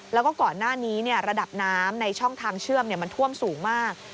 แล้วก็ก่อนหน้านี้ระดับน้ำในช่องทางเชื่อมมันท่วมสูงมาก